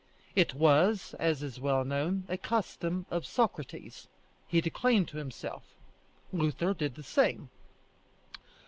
It was, as is well known, a custom of Socrates; he declaimed to himself. Luther did the same.